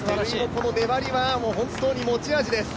この粘りは本当に持ち味です。